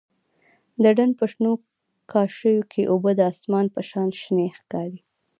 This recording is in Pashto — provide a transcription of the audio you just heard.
د ډنډ په شنو کاشيو کښې اوبه د اسمان په شان شنې ښکارېدې.